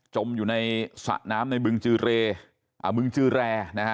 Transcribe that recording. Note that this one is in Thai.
จมอยู่ในสระน้ำในบึงจือแร่